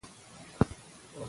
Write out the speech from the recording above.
افغانستان په هوا غني دی.